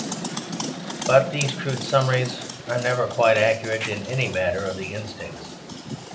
But these crude summaries are never quite accurate in any matter of the instincts.